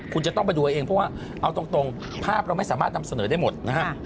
คุณจะต้องไปดูเอาเองเพราะว่าเอาตรงภาพเราไม่สามารถนำเสนอได้หมดนะครับ